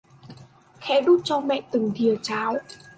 Khẽ đút cho mẹ từng thìa cháo